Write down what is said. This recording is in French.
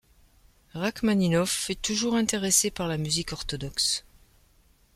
Rachmaninov fut toujours intéressé par la musique orthodoxe.